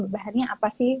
bahannya apa sih